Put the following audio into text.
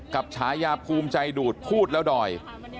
ฉายาภูมิใจดูดพูดแล้วดอย